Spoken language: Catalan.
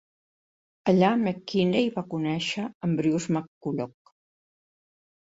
Allà, McKinney va conèixer en Bruce McCulloch.